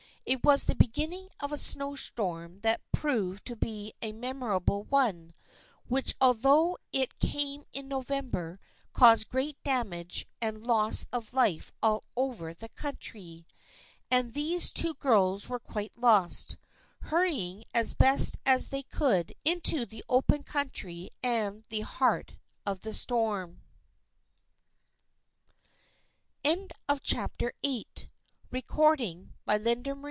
It was the beginning of a snow storm that proved to be a memorable one, which although it came in November caused great damage and loss of life all over the country. And these two girls were quite lost, hurrying as best they could into the open country and the heart of the storm.